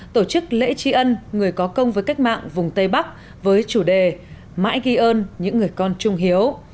tổ chức lễ tri ân người có công với cách mạng vùng tây bắc với chủ đề mãi ghi ơn những người con trung hiếu